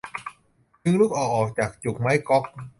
ดึงลูกดอกออกจากจุกไม้ก๊อก